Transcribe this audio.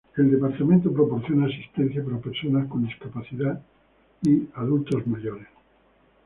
El departamento proporciona asistencia para personas con discapacidad y los adultos mayores.